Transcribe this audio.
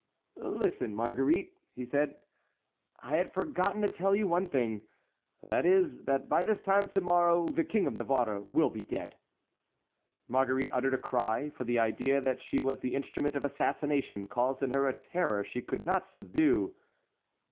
"Listen, Marguerite," he said, "I had forgotten to tell you one thing; that is, that by this time to morrow the King of Navarre will be dead." Marguerite uttered a cry, for the idea that she was the instrument of assassination caused in her a terror she could not subdue.